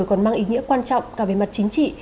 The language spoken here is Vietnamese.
còn mang ý nghĩa quan trọng cả về mặt chính trị